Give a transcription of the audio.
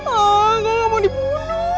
ah gak mau dibunuh